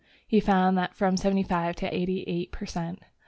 He found that from seventy five to eighty eight per cent.